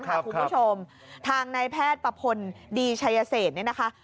คุณผู้ชมทางนายแพทย์ประพลดีชัยเศษเนี่ยนะคะ